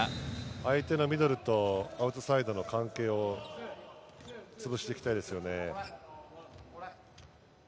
相手のミドルとアウトサイドの関係をつぶしていきたいですよね。